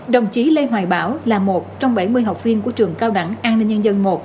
đồng chí lê hoài bảo là một trong bảy mươi học viên của trường cao đẳng an ninh nhân dân một